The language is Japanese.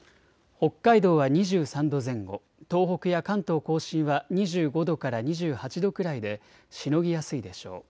北海道は２３度前後、東北や関東甲信は２５度から２８度くらいでしのぎやすいでしょう。